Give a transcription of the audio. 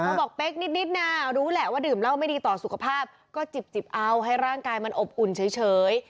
บอกเป๊กนิดนะรู้แหละว่าดื่มเหล้าไม่ดีต่อสุขภาพก็จิบเอาให้ร่างกายมันอบอุ่นเฉย